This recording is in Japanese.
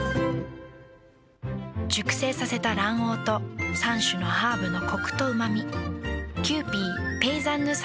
熟成させた卵黄と３種のハーブのコクとうま味。